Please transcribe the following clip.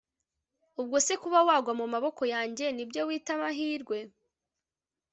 Ubwo se kuba wagwa mu maboko yanjye nibyo witamahirwe